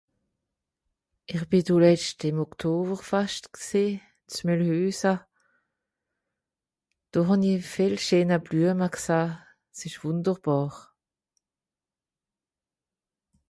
Ìch bì doletscht ìm Oktowerfascht gsìì, z Mìlhüsa. Do hà-n-i viel scheena Blüama gsah. S ìsch wùnderbàr.